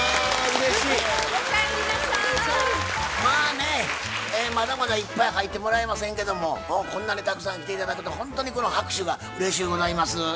まあねまだまだいっぱい入ってもらえませんけどもこんなにたくさん来て頂けてほんとにこの拍手がうれしゅうございます。